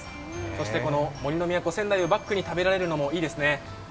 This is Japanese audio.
そして杜の都・仙台をバックに食べられるのもいいですね。